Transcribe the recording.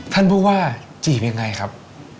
ท่านผู้ว่าจีบยังไงครับ